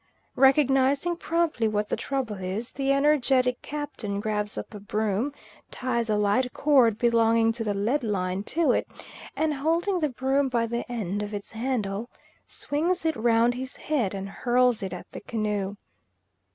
Recognising promptly what the trouble is, the energetic Captain grabs up a broom, ties a light cord belonging to the leadline to it, and holding the broom by the end of its handle, swings it round his head and hurls it at the canoe.